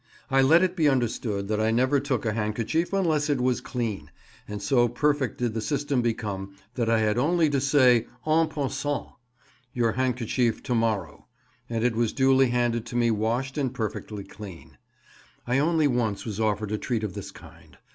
I let it be understood that I never took a handkerchief unless it was clean; and so perfect did the system become, that I had only to say en passant, "Your handkerchief to morrow," and it was duly handed to me washed and perfectly clean. I only once was offered a treat of this kind.